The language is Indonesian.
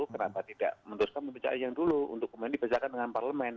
kenapa tidak meneruskan mempecah yang dulu untuk kemudian dibicarakan dengan parlemen